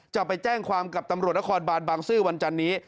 จะไปแจ้งความกับตำรวจนครบานบางซื่อวันจันนี้